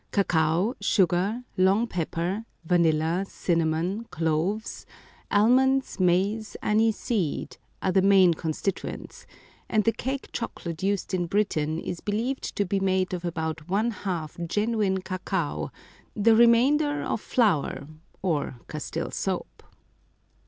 Cacao, sugar, long pepper, vanilla, cinnamon, cloves, almonds, mace, aniseed, are the main constituents, and the cake chocolate used in Britain is believed to be made of about one half genuine cacao, the re mainder of flour or Castile soap.